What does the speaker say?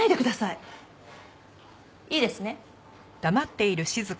いいですね？